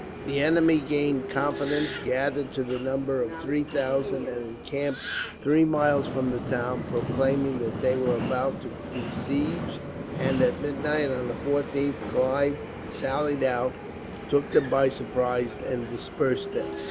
The enemy, gaining confidence, gathered to the number of three thousand, and encamped three miles from the town, proclaiming that they were about to besiege; and at midnight on the 14th Clive sallied out, took them by surprise, and dispersed them.